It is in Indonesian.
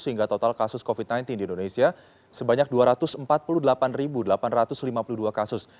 sehingga total kasus covid sembilan belas di indonesia sebanyak dua ratus empat puluh delapan delapan ratus lima puluh dua kasus